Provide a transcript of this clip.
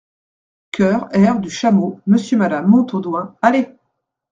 Chœur Air du Chameau Monsieur et Madame Montaudoin Allez !